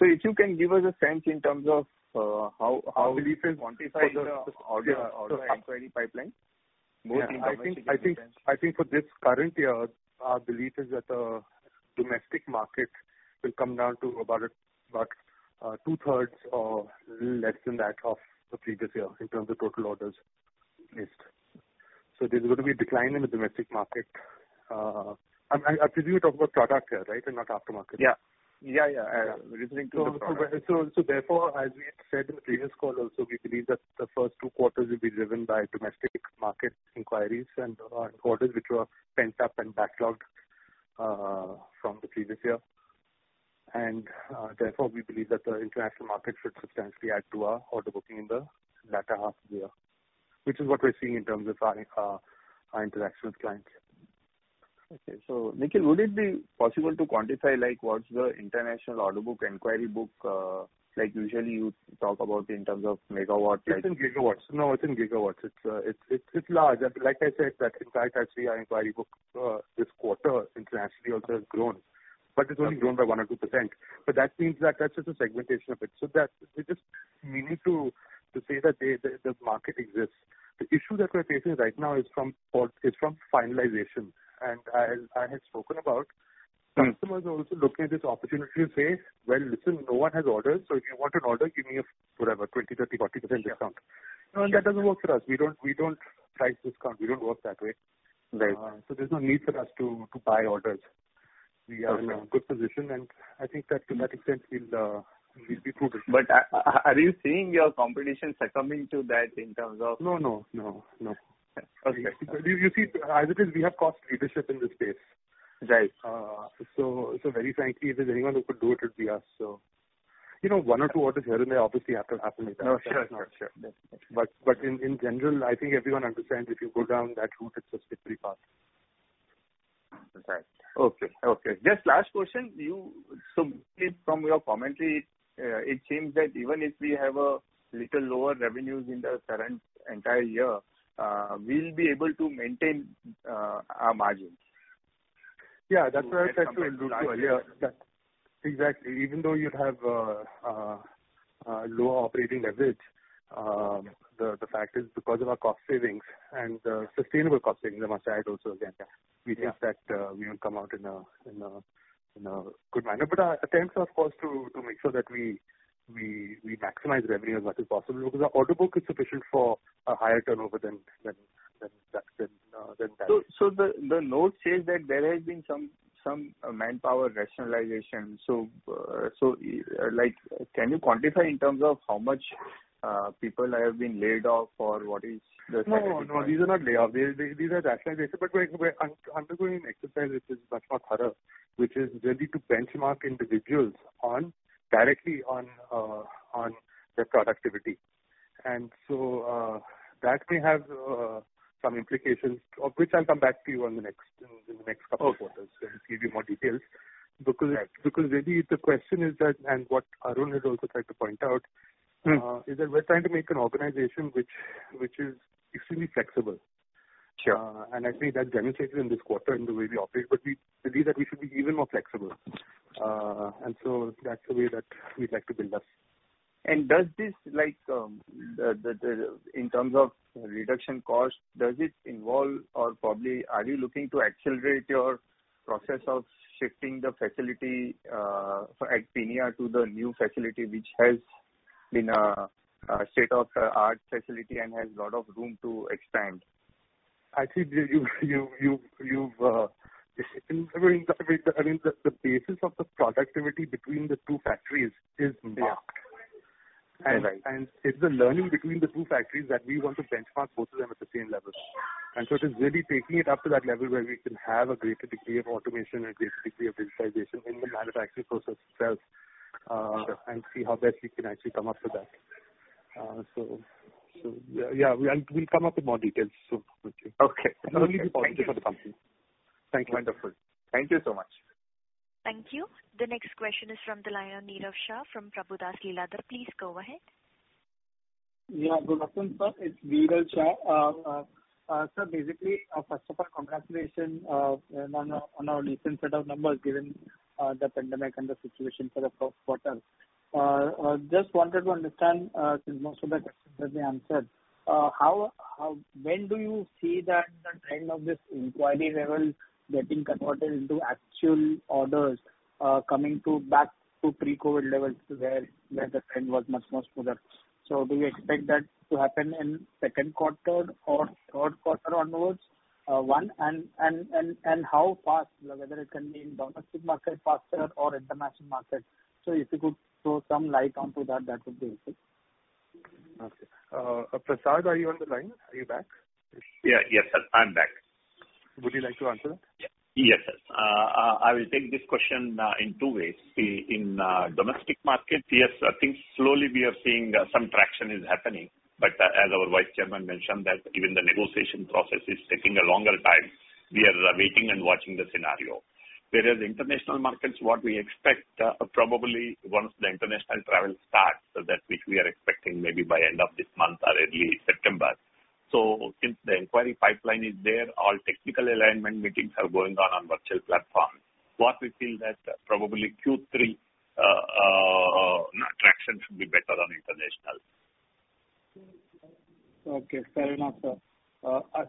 If you can give us a sense in terms of how. Our belief is. you quantify the order inquiry pipeline? I think for this current year, our belief is that domestic market will come down to about 2/3 or little less than that of the previous year in terms of total orders. Yes. There's going to be a decline in the domestic market. I presume you're talking about product here, right? Not aftermarket. Yeah. Therefore, as we said in the previous call also, we believe that the first two quarters will be driven by domestic market inquiries and orders which were pent up and backlogged from the previous year. Therefore, we believe that the international market should substantially add to our order booking in the latter half of the year, which is what we're seeing in terms of our interaction with clients. Okay. Nikhil, would it be possible to quantify what's the international order book, inquiry book? Like usually you talk about in terms of megawatts. It's in gigawatts. No, it's in gigawatts. It's large. Like I said, that in fact actually our inquiry book this quarter internationally also has grown, but it's only grown by 1% or 2%. That means that that's just a segmentation of it. It is meaning to say that the market exists. The issue that we're facing right now is from finalization. As I had spoken about, customers are also looking at this opportunity to say, "Well, listen, no one has orders, so if you want an order, give me a, whatever, 20%, 30%, 40% discount." That doesn't work for us. We don't price discount. We don't work that way. Right. There's no need for us to buy orders. Okay. We are in a good position, and I think that to that extent, we'll be proven. Are you seeing your competition succumbing to that in terms of? No. Okay. You see, as it is, we have cost leadership in this space. Right. Very frankly, if there's anyone who could do it would be us. One or two orders here and there obviously have to happen like that. Oh, sure. In general, I think everyone understands if you go down that route, it's a slippery path. Right. Okay. Just last question. From your commentary, it seems that even if we have a little lower revenues in the current entire year, we'll be able to maintain our margins. Yeah, that's what I said to you earlier. Exactly. Even though you have lower operating leverage, the fact is because of our cost savings and sustainable cost savings, I must add also again. Yeah. We think that we will come out in a good manner. Our attempts are, of course, to make sure that we maximize revenue as much as possible because our order book is sufficient for a higher turnover than that. The note says that there has been some manpower rationalization. Can you quantify in terms of how much people have been laid off? These are not layoffs, these are rationalization. We're undergoing an exercise which is much more thorough, which is really to benchmark individuals directly on their productivity. That may have some implications, of which I'll come back to you in the next couple of quarters. Okay. Give you more details. Right. Really the question is that, and what Arun has also tried to point out. is that we're trying to make an organization which is extremely flexible. Sure. I think that demonstrated in this quarter in the way we operate. We believe that we should be even more flexible. That's the way that we'd like to build up. Does this, in terms of reduction cost, does this involve or probably are you looking to accelerate your process of shifting the facility at Peenya to the new facility, which has been a state-of-the-art facility and has lot of room to expand? I think you've never integrated. I mean, the basis of the productivity between the two factories is marked. Right. It's the learning between the two factories that we want to benchmark both of them at the same level. It is really taking it up to that level where we can have a greater degree of automation and greater degree of digitization in the manufacturing process itself, and see how best we can actually come up with that. Yeah. We'll come up with more details soon. Okay. It's only possible for the company. Thank you. Wonderful. Thank you so much. Thank you. The next question is from the line, Nirav Shah from Prabhudas Lilladher. Please go ahead. Good afternoon, sir. It is Nirav Shah. Sir, basically, first of all, congratulations on a recent set of numbers given the pandemic and the situation for the first quarter. Just wanted to understand, since most of the questions have been answered. When do you see the trend of this inquiry level getting converted into actual orders, coming back to pre-COVID-19 levels where the trend was much more smoother? Do you expect that to happen in second quarter or third quarter onwards? One. How fast, whether it can be in domestic market faster or international market. If you could throw some light onto that would be helpful. Prasad, are you on the line? Are you back? Yeah. Yes, sir. I'm back. Would you like to answer? Yes, sir. I will take this question in two ways. In domestic market, yes, I think slowly we are seeing some traction is happening. As our vice chairman mentioned that even the negotiation process is taking a longer time. We are waiting and watching the scenario. Whereas international markets, what we expect, probably once the international travel starts, that which we are expecting maybe by end of this month or early September. Since the inquiry pipeline is there, all technical alignment meetings are going on virtual platforms. What we feel that probably Q3 traction should be better on international. Okay, fair enough, sir.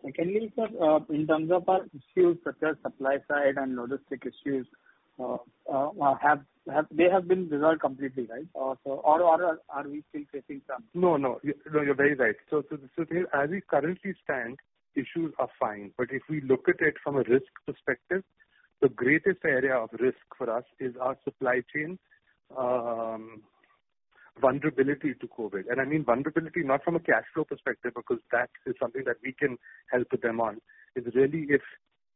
Secondly, sir, in terms of our issues such as supply side and logistic issues. They have been resolved completely, right? Are we still facing some? You're very right. As we currently stand, issues are fine, but if we look at it from a risk perspective, the greatest area of risk for us is our supply chain vulnerability to COVID. I mean vulnerability not from a cash flow perspective, because that is something that we can help with them on. It's really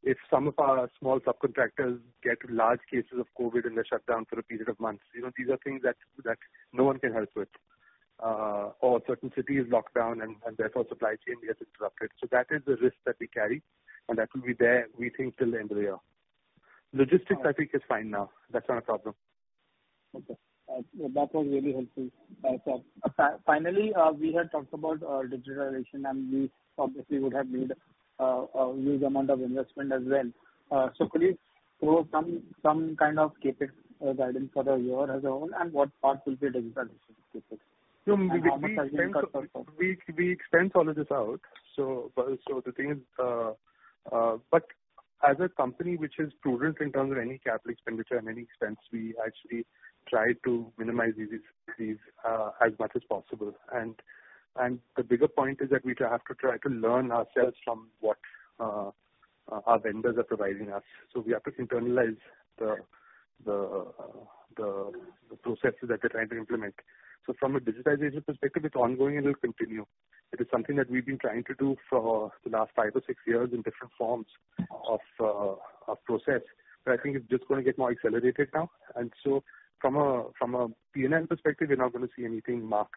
if some of our small subcontractors get large cases of COVID and they're shut down for a period of months. These are things that no one can help with. Certain cities lock down and therefore supply chain gets interrupted. That is the risk that we carry, and that will be there, we think, till the end of the year. Logistics, I think, is fine now. That's not a problem. Okay. That was really helpful, sir. We had talked about digitalization, and we obviously would have made a huge amount of investment as well. Could you throw some kind of CapEx guidance for the year as a whole, and what part will be digitalization CapEx? We extend all of this out. As a company which is prudent in terms of any capital expenditure, in any expense, we actually try to minimize these as much as possible. The bigger point is that we have to try to learn ourselves from what our vendors are providing us. We have to internalize the processes that they're trying to implement. From a digitization perspective, it's ongoing and will continue. It is something that we've been trying to do for the last five or six years in different forms of process. I think it's just going to get more accelerated now. From a P&L perspective, we're not going to see anything marked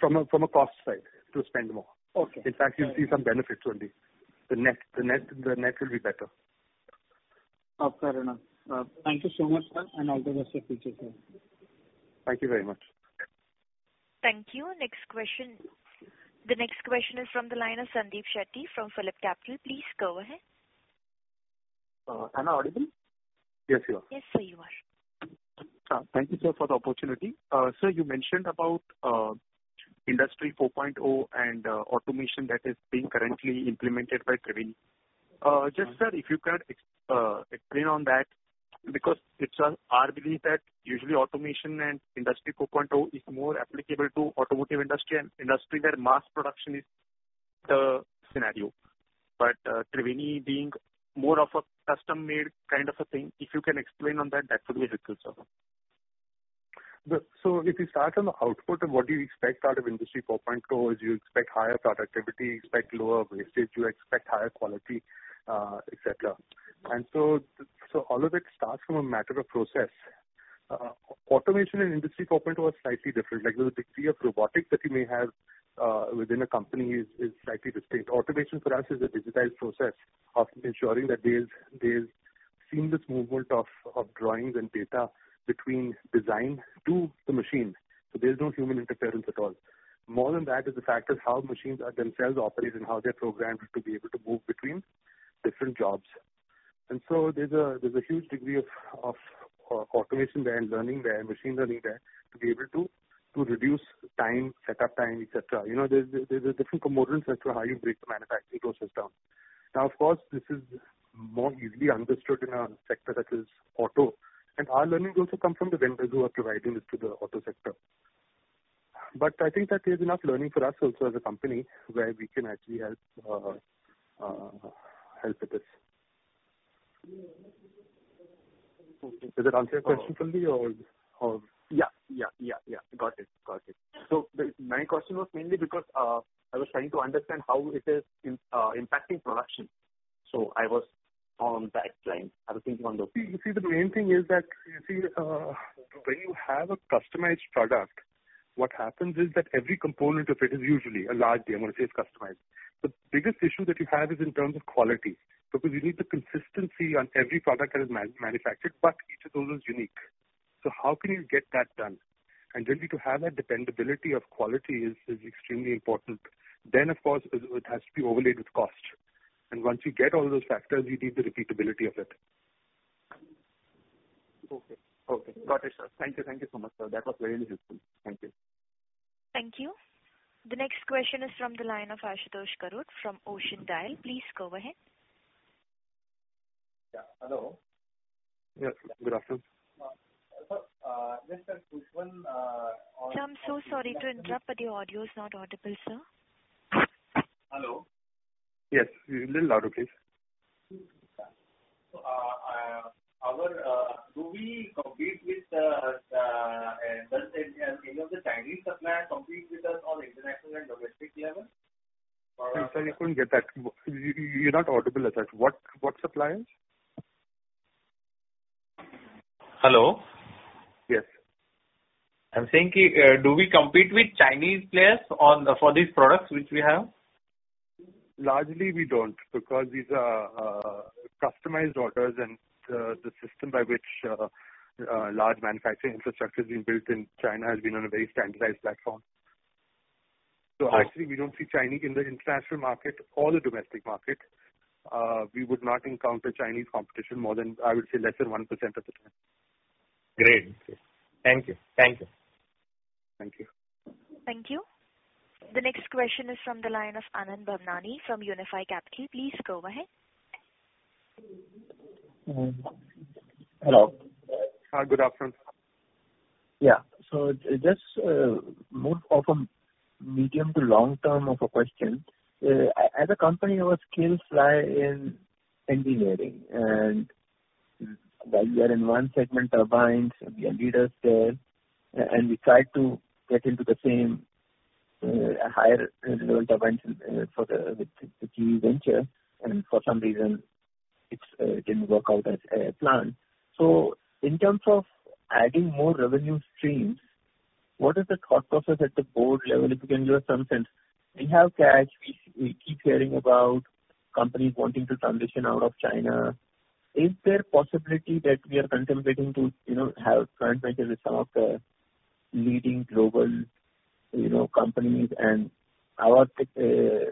from a cost side to spend more. Okay. You'll see some benefits only. The net will be better. Okay. Thank you so much, sir, and all the best for the future, sir. Thank you very much. Thank you. The next question is from the line of Sandesh Shetty from PhillipCapital. Please go ahead. Am I audible? Yes, you are. Yes, sir, you are. Thank you, sir, for the opportunity. Sir, you mentioned about Industry 4.0 and automation that is being currently implemented by Triveni. Just, sir, if you can explain on that, because it's our belief that usually automation and Industry 4.0 is more applicable to automotive industry and industry where mass production is the scenario. But Triveni being more of a custom-made kind of a thing, if you can explain on that will be helpful, sir. If you start on the output of what do you expect out of Industry 4.0 is you expect higher productivity, you expect lower wastage, you expect higher quality, et cetera. All of it starts from a matter of process. Automation and Industry 4.0 are slightly different. The degree of robotics that you may have within a company is slightly distinct. Automation for us is a digitized process of ensuring that there's seamless movement of drawings and data between design to the machine. There's no human interference at all. More than that is the fact of how machines are themselves operated and how they're programmed to be able to move between different jobs. There's a huge degree of automation there and learning there, machine learning there, to be able to reduce time, set up time, et cetera. There's different components as to how you break the manufacturing process down. Of course, this is more easily understood in a sector that is automotive. Our learning also comes from the vendors who are providing it to the automotive sector. I think that there's enough learning for us also as a company where we can actually help with this. Does that answer your question fully or? Yeah. Got it. My question was mainly because I was trying to understand how it is impacting production. I was on that line. I was thinking on those. You see, the main thing is that when you have a customized product, what happens is that every component of it is usually, a large amount of it, is customized. The biggest issue that you have is in terms of quality because you need the consistency on every product that is manufactured, but each of those is unique. How can you get that done? Really to have that dependability of quality is extremely important. Of course, it has to be overlaid with cost. Once you get all those factors, you need the repeatability of it. Okay. Got it, sir. Thank you so much, sir. That was very helpful. Thank you. Thank you. The next question is from the line of Ashutosh Garud from Ocean Dial. Please go ahead. Yeah. Hello. Yes. Good afternoon. Sir, just one- Sir, I'm so sorry to interrupt, but your audio is not audible, sir. Hello. Yes. A little louder, please. Do we compete with any of the Chinese suppliers compete with us on international and domestic level? I'm sorry, I couldn't get that. You're not audible as such. What suppliers? Hello? Yes. I'm saying, do we compete with Chinese players for these products which we have? Largely, we don't because these are customized orders, and the system by which large manufacturing infrastructure has been built in China has been on a very standardized platform. Oh. Actually, we don't see Chinese in the international market or the domestic market. We would not encounter Chinese competition more than, I would say, less than 1% of the time. Great. Thank you. Thank you. The next question is from the line of Anand Bhavnani from Unifi Capital. Please go ahead. Hello. Hi, good afternoon. Yeah. Just more of a medium to long term of a question. As a company, our skills lie in engineering, and while we are in one segment turbines, we are leaders there, and we tried to get into the same higher relevant events with the GE venture, and for some reason it didn't work out as planned. In terms of adding more revenue streams, what is the thought process at the board level? If you can give us some sense. We have cash. We keep hearing about companies wanting to transition out of China. Is there a possibility that we are contemplating to have joint ventures with some of the leading global companies and our skills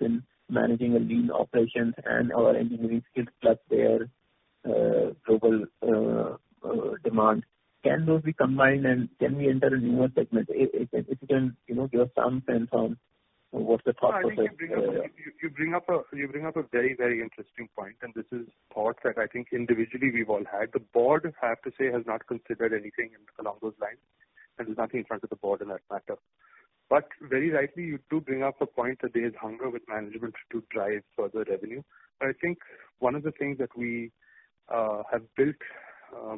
in managing lean operations and our engineering skills plus their global demand, can those be combined and can we enter a newer segment? If you can give some sense on what the thought process. I think you bring up a very interesting point, and this is thoughts that I think individually we've all had. The board, I have to say, has not considered anything along those lines, and there's nothing in front of the board in that matter. Very rightly, you do bring up a point that there's hunger with management to drive further revenue. I think one of the things that we have built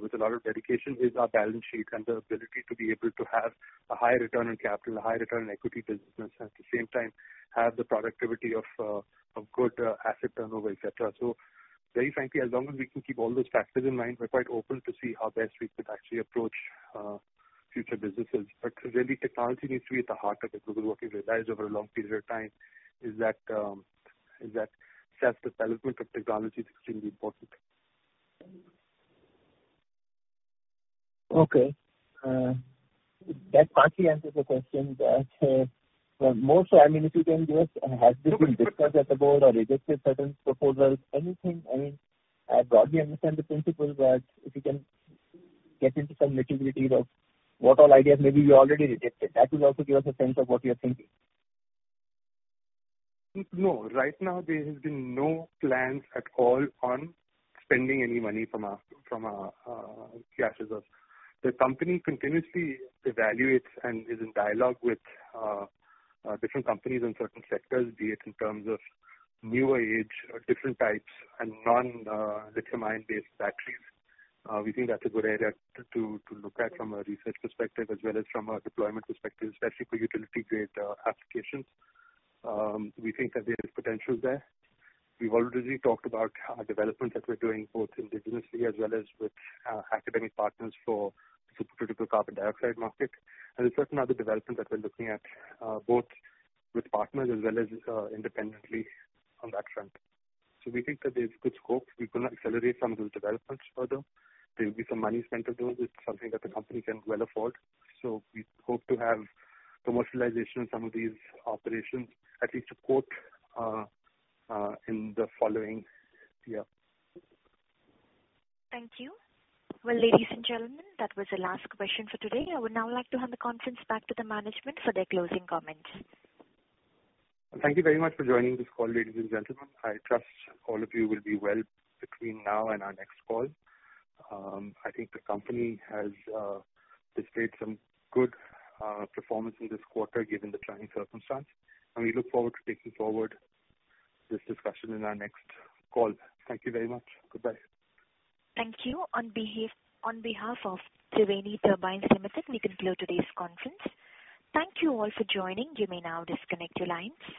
with a lot of dedication is our balance sheet and the ability to be able to have a high return on capital, a high return on equity business, at the same time, have the productivity of good asset turnover, et cetera. Very frankly, as long as we can keep all those factors in mind, we're quite open to see how best we could actually approach future businesses. Really, technology needs to be at the heart of it because what we've realized over a long period of time is that self-development of technology is extremely important. Okay. That partly answers the question. More so, if you can give, has this been discussed at the board or rejected certain proposals? Anything. I broadly understand the principle, but if you can get into some nitty-gritty of what all ideas maybe you already rejected, that will also give us a sense of what you're thinking. No. Right now there has been no plans at all on spending any money from our cash. The company continuously evaluates and is in dialogue with different companies in certain sectors, be it in terms of newer age or different types and non-lithium-ion-based batteries. We think that's a good area to look at from a research perspective as well as from a deployment perspective, especially for utility-grade applications. We think that there is potential there. We've already talked about our development that we're doing both indigenously as well as with academic partners for the supercritical carbon dioxide market. There are certain other developments that we're looking at both with partners as well as independently on that front. We think that there's good scope. We're going to accelerate some of those developments further. There will be some money spent on those. It's something that the company can well afford. We hope to have commercialization of some of these operations, at least a quote, in the following year. Thank you. Well, ladies and gentlemen, that was the last question for today. I would now like to hand the conference back to the management for their closing comments. Thank you very much for joining this call, ladies and gentlemen. I trust all of you will be well between now and our next call. I think the company has displayed some good performance in this quarter given the trying circumstance, and we look forward to taking forward this discussion in our next call. Thank you very much. Goodbye. Thank you. On behalf of Triveni Turbine Limited, we conclude today's conference. Thank you all for joining. You may now disconnect your lines.